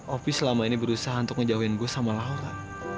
opi selama ini berusaha untuk menjauhin gue sama laura